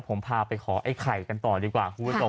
ผมพาไปขอไอ้ไข่กันต่อดีกว่า